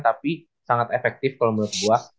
tapi sangat efektif kalau menurut gue